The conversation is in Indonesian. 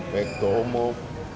baik ke umum